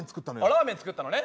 ラーメン作ったのね。